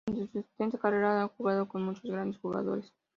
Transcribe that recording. Durante su extensa carrera ha jugado con muchos grandes jugadores.